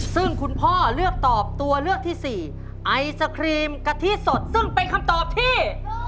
ซึ่งคุณพ่อเลือกตอบตัวเลือกที่สี่ไอศครีมกะทิสดซึ่งเป็นคำตอบที่